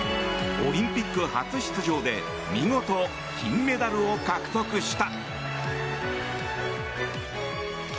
オリンピック初出場で見事、金メダルを獲得した。